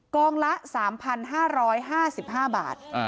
กองละ๓๕๕บาท